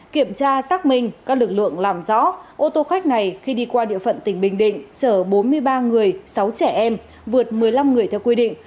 kiểm tra xác minh các lực lượng làm rõ ô tô khách này khi đi qua địa phận tỉnh bình định chở bốn mươi ba người sáu trẻ em vượt một mươi năm người theo quy định